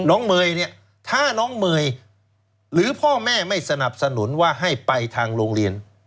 เมย์เนี่ยถ้าน้องเมย์หรือพ่อแม่ไม่สนับสนุนว่าให้ไปทางโรงเรียน